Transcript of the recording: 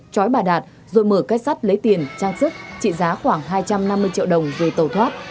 chói bà đạt rồi mở cách sắt lấy tiền trang sức trị giá khoảng hai trăm năm mươi triệu đồng về tàu thoát